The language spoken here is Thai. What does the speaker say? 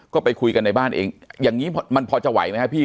ก็ไปคุยกันในบ้านเองอย่างนี้มันพอจะไหวไหมครับพี่